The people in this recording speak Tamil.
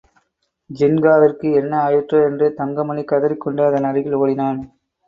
ஜின்காவிற்கு என்ன ஆயிற்றோ என்று தங்கமணி கதறிக் கொண்டு அதன் அருகில் ஓடினான்.